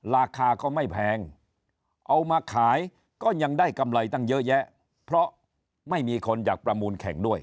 ราคาก็ไม่แพงเอามาขายก็ยังได้กำไรตั้งเยอะแยะเพราะไม่มีคนอยากประมูลแข่งด้วย